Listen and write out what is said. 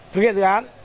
thực hiện dự án